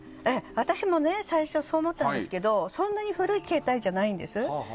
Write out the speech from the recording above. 私も最初そう思ったんですけどそんなに古い携帯じゃないんです。